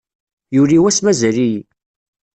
Yuli wass mazal-iyi.